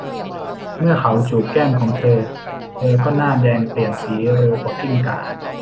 เมื่อเขาจูบแก้มของเธอเธอก็หน้าแดงเปลี่ยนสีเร็วกว่ากิ้งก่า